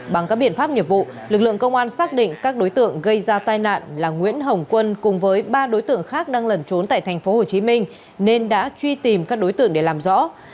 bằng các biện pháp nghiệp vụ lực lượng công an xác định các đối tượng gây ra tai nạn là nguyễn hồng quân cùng với ba đối tượng khác đang lẩn trốn tại tp hcm nên đã truy tìm các đối tượng để làm rõ